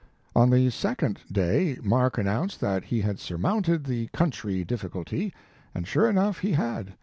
On the second day Mark announced that he had surmounted the * country" difficulty, and, sure enough, he had.